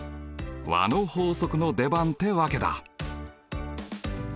和の法則の出番ってわけだ。